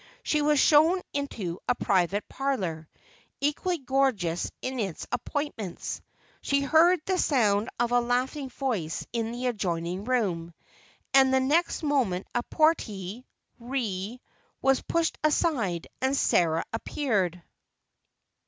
She was shown into a private parlor, equally gorgeous in its appointments. She heard the sound of a laughing voice in the adjoining room, and the next moment a porti—re was pushed aside and Sarah appeared.